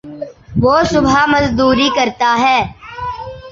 جو صبح مزدوری کرتا ہے